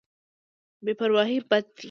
بې پرواهي بد دی.